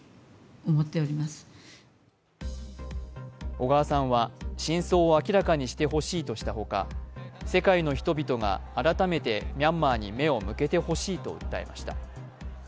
小川さんは真相を明らかにしてほしいとしたほか世界の人々が改めてミャンマーに目を向けてほしいと訴えました。